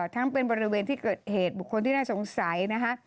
ทั้งเป็นบริเวณที่เกิดเหตุบุคคลที่น่าสงสัยนะคะ